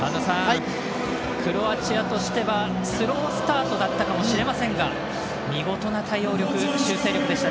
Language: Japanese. クロアチアとしてはスロースタートだったかもしれませんが見事な対応力